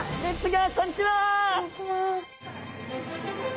こんにちは。